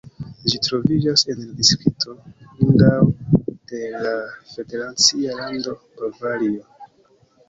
Ĝi troviĝas en la distrikto Lindau de la federacia lando Bavario.